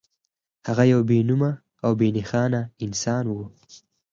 هغه يو بې نومه او بې نښانه انسان و.